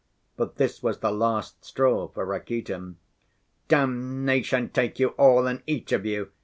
But this was the last straw for Rakitin. "Damnation take you all and each of you!"